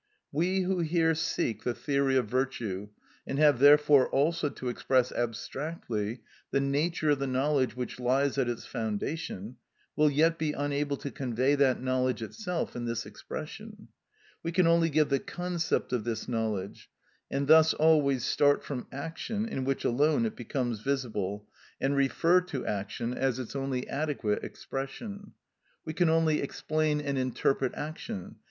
We who here seek the theory of virtue, and have therefore also to express abstractly the nature of the knowledge which lies at its foundation, will yet be unable to convey that knowledge itself in this expression. We can only give the concept of this knowledge, and thus always start from action in which alone it becomes visible, and refer to action as its only adequate expression. We can only explain and interpret action, _i.